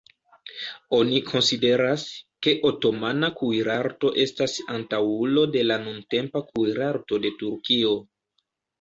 Oni konsideras, ke otomana kuirarto estas antaŭulo de la nuntempa kuirarto de Turkio.